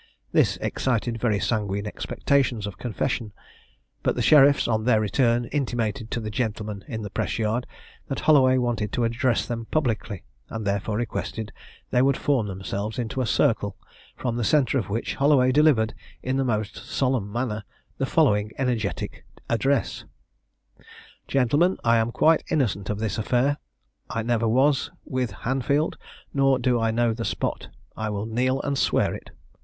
This excited very sanguine expectations of confession; but the sheriffs, on their return, intimated to the gentlemen in the press yard, that Holloway wanted to address them publicly; and therefore requested they would form themselves into a circle, from the centre of which Holloway delivered, in the most solemn manner, the following energetic address: "Gentlemen, I am quite innocent of this affair. I never was with Hanfield, nor do I know the spot. I will kneel and swear it."